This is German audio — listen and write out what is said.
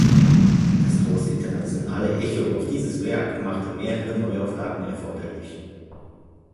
Das große internationale Echo auf dieses Werk machte mehrere Neuauflagen erforderlich.